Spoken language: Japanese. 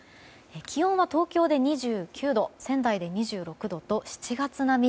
気温は東京で２９度仙台で２６度と７月並み。